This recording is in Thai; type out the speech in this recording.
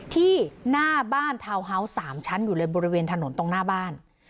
ที่หน้าบ้านทาวน์ฮาวส์๓ชั้นอยู่เลยบริเวณถนนตรงหน้าบ้าน